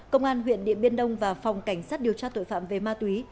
công an huyện điện biên đông và phòng cảnh sát điều tra tội phạm về ma túy